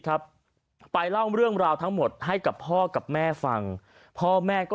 ครับไปเล่าเรื่องราวทั้งหมดให้กับพ่อกับแม่ฟังพ่อแม่ก็